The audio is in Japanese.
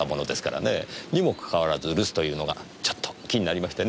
にもかかわらず留守というのがちょっと気になりましてね。